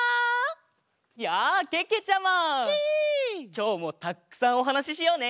きょうもたっくさんおはなししようね！